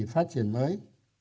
phát triển mới